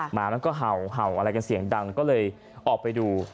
หมามันก็เห่าอะไรกันเสียงดังก็เลยออกไปดู